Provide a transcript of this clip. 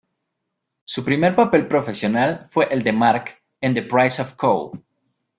Su primer papel profesional fue el de Mark, en The Price of Coal.